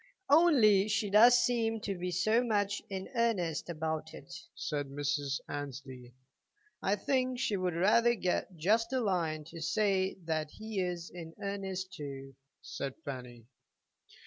"Only she does seem to be so much in earnest about it," said Mrs. Annesley. "I think she would rather get just a line to say that he is in earnest too," said Fanny.